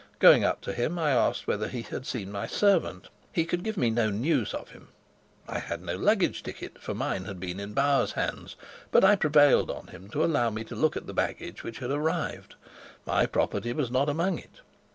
Going up to him I asked whether he had seen my servant; he could give me no news of him. I had no luggage ticket, for mine had been in Bauer's hands; but I prevailed on him to allow me to look at the baggage which had arrived; my property was not among it.